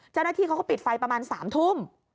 เจ้าหน้าที่เขาก็ปิดไฟประมาณ๓ทุ่ม